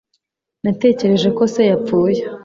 Natekereje ko se yapfuye.